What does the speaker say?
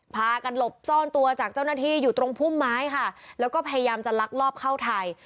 พากันหลบซ่อนตัวจากเจ้าหน้าที่อยู่ตรงพุ่มไม้ค่ะแล้วก็พยายามจะลักลอบเข้าไทย